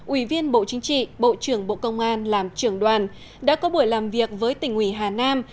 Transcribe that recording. ủy viên bộ chính trị bộ trưởng bộ công an làm trưởng đoàn đã có buổi làm việc với tỉnh ủy hà nam